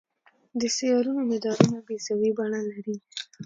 د سیارونو مدارونه بیضوي بڼه لري.